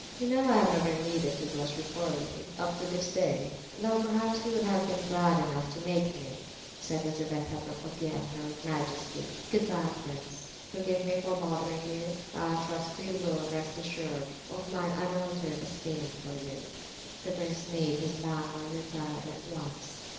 "You know I have never needed to blush before you, up to this day, though perhaps you would have been glad enough to make me," said Lizabetha Prokofievna,—with majesty. "Good bye, prince; forgive me for bothering you. I trust you will rest assured of my unalterable esteem for you." The prince made his bows and retired at once.